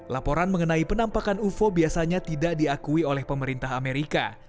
laporan mengenai penampakan ufo biasanya tidak diakui oleh pemerintah amerika